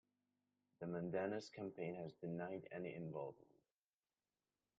The Menendez campaign has denied any involvement.